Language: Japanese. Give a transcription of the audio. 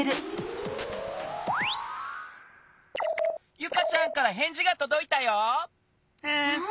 ユカちゃんからへんじがとどいたよ。わ！